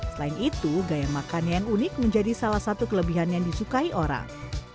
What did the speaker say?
selain itu gaya makannya yang unik menjadi salah satu kelebihan yang disukai orang